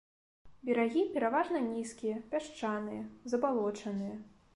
Берагі пераважна нізкія, пясчаныя, забалочаныя.